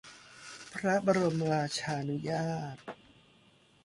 พระบรมราชานุญาต